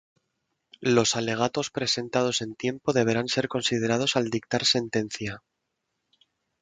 Los alegatos presentados en tiempo deberán ser considerados al dictar sentencia.